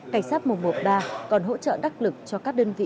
cảnh sát một trăm một mươi ba còn hỗ trợ đắc lực cho các đơn vị